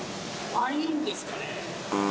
ワインですかね？